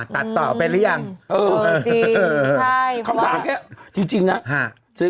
ตัดต่อเป็นหรือยังเออเออจริงเออใช่เพราะว่าคำถามแค่จริงจริงน่ะฮะ